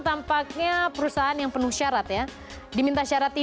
tampaknya perusahaan yang penuh syarat ya